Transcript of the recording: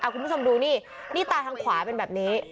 คุณผู้ชมดูนี่นี่ตาทางขวาเป็นแบบนี้